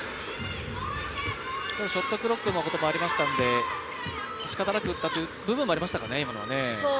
ショットクロックのこともありましたので、しかたなく打った部分もありましたかね。